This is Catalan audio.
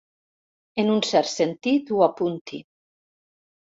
En un cert sentit, ho apunti.